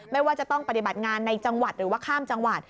ว่าจะต้องปฏิบัติงานในจังหวัดหรือว่าข้ามจังหวัด